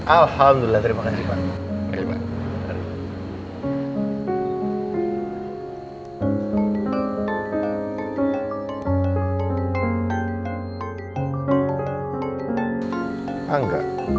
alhamdulillah terima kasih pak